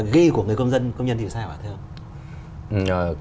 ghi của người công nhân thì sao